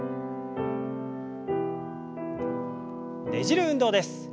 ねじる運動です。